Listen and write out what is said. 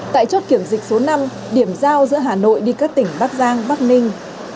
tại chốt kiểm dịch số năm điểm giao giữa hà nội đi các tỉnh bắc giang bắc ninh